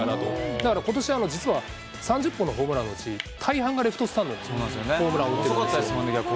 だからことしは実は、３０本のホームランのうち、大半がレフトスタンドにホームラン打ってるんです。